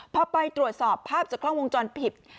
พอไปตรวจสอบภาพจากกล้องวงจรปิด